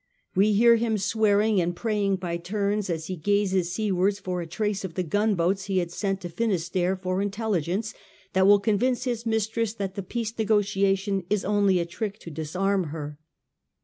We hear him swearing and praying by turns as he gazes seawards for a trace of the gunboats he has sent to Finisterre for intelligence that will convince his mistress that the peace negotiation is only a trick to disarm her.